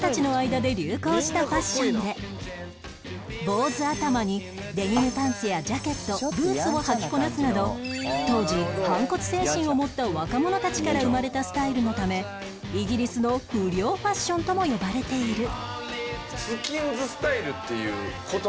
坊主頭にデニムパンツやジャケットブーツを履きこなすなど当時反骨精神を持った若者たちから生まれたスタイルのためイギリスの不良ファッションとも呼ばれている